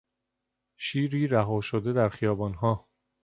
شیری رها شده در خیابانها